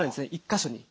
１か所に。